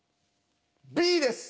Ｂです！